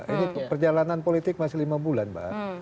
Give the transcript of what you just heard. ini perjalanan politik masih lima bulan mbak